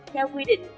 theo quy định